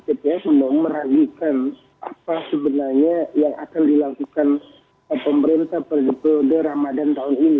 saya semang meragikan apa sebenarnya yang akan dilakukan pemerintah pada ramadan tahun ini